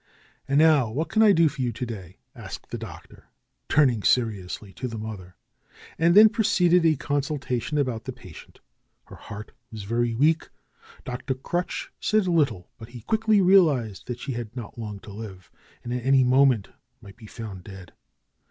"And now what can I do for you to day?" asked the Doctor, turning seriously to the mother. And then proceeded a consultation about the pa tient. Her heart was very weak. Dr. Crutch said lit tle, but he quickly realized that she had not long to live, and at any moment might be found dead.